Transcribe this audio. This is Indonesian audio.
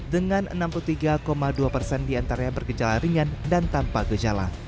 dengan enam puluh tiga dua persen diantaranya bergejala ringan dan tanpa gejala